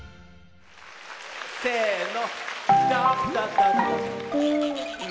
せの。